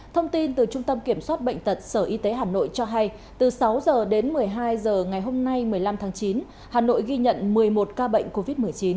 thông tin từ trung tâm kiểm soát bệnh tật sở y tế hà nội cho hay từ sáu h đến một mươi hai h ngày hôm nay một mươi năm tháng chín hà nội ghi nhận một mươi một ca bệnh covid một mươi chín